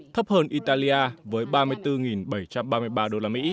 thấp hơn italia với ba mươi bốn bảy trăm ba mươi ba usd